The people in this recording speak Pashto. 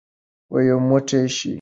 یو موټی شئ.